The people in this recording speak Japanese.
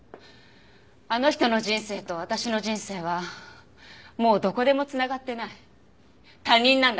あの人の人生と私の人生はもうどこでも繋がっていない他人なんだから。